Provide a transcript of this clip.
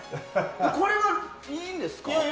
これはいいんですか？